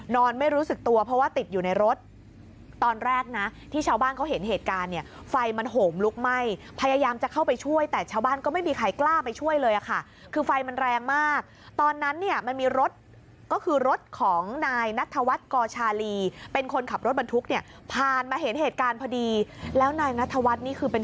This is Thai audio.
ไม่รู้สึกตัวเพราะว่าติดอยู่ในรถตอนแรกนะที่ชาวบ้านเขาเห็นเหตุการณ์เนี่ยไฟมันโหมลุกไหม้พยายามจะเข้าไปช่วยแต่ชาวบ้านก็ไม่มีใครกล้าไปช่วยเลยค่ะคือไฟมันแรงมากตอนนั้นเนี่ยมันมีรถก็คือรถของนายนัทธวัฒน์กอชาลีเป็นคนขับรถบรรทุกเนี่ยผ่านมาเห็นเหตุการณ์พอดีแล้วนายนัทวัฒน์นี่คือเป็น